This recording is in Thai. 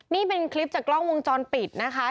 นี่เป็นคลิปจากกล้องวงจรปิดนะคะ